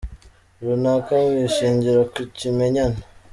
runaka bishingira ku kimenyane.